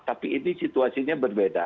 tapi ini situasinya berbeda